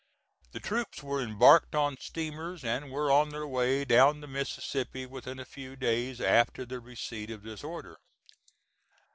The troops were embarked on steamers and were on their way down the Mississippi within a few days after the receipt of this order.